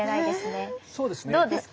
え⁉どうですか？